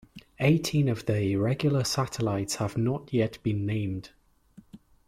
Eighteen of the irregular satellites have not yet been named.